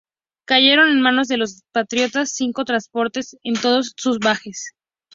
Cayeron en manos de los patriotas cinco transportes con todos sus bagajes.